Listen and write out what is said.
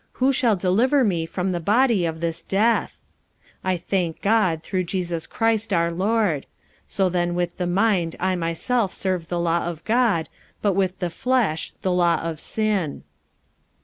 who shall deliver me from the body of this death? 45:007:025 I thank God through Jesus Christ our Lord. So then with the mind I myself serve the law of God; but with the flesh the law of sin.